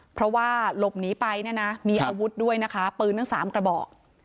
เพราะว่าหลบหนีไปเนี่ยนะมีอาวุธด้วยนะคะปืนทั้ง๓กระบอก